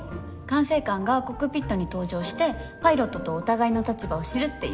管制官がコックピットに搭乗してパイロットとお互いの立場を知るっていう。